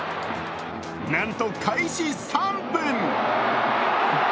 なんと開始３分。